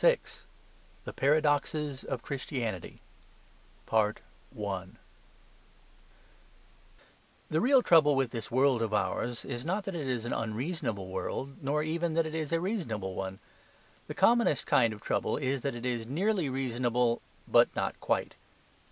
VI THE PARADOXES OF CHRISTIANITY The real trouble with this world of ours is not that it is an unreasonable world, nor even that it is a reasonable one. The commonest kind of trouble is that it is nearly reasonable, but not quite.